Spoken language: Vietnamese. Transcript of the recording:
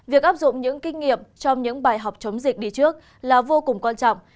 việc áp dụng những kinh nghiệm trong những bài học chống dịch đi trước là vô cùng quan trọng